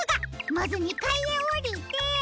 まず２かいへおりて。